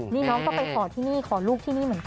นี่น้องก็ไปขอที่นี่ขอลูกที่นี่เหมือนกัน